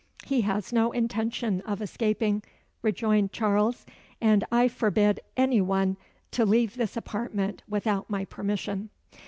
"He has no intention of escaping," rejoined Charles; "and I forbid any one to leave this apartment without my permission."